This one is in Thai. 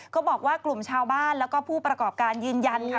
ก็บอกว่ากลุ่มชาวบ้านแล้วก็ผู้ประกอบการยืนยันค่ะ